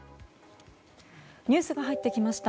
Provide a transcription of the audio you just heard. ニュースが入ってきました